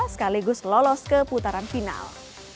sekaligus lolos ke putaran final